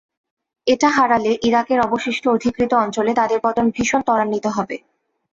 এটা হারালে ইরাকের অবশিষ্ট অধিকৃত অঞ্চলে তাদের পতন ভীষণ ত্বরান্বিত হবে।